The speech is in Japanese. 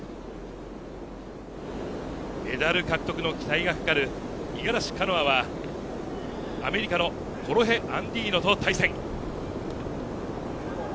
メダル獲得の期待がかかる五十嵐カノアはアメリカのコロヘ・アンディノと対戦。